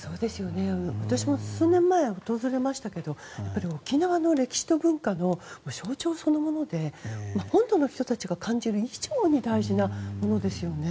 私も数年前訪れましたけど沖縄の歴史と文化の象徴そのもので本土の人たちが感じる以上に大事なものですよね。